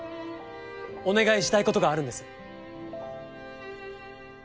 お願いしたい事があるんです。